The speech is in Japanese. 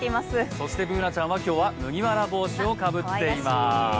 そしてＢｏｏｎａちゃんは今日は麦わら帽子をかぶっています。